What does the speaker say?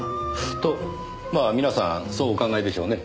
とまあ皆さんそうお考えでしょうね。